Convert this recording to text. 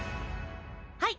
はい！